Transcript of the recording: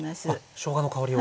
しょうがの香りを。